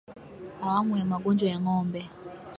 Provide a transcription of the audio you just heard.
Awamu ya Magonjwa ya Ng'ombe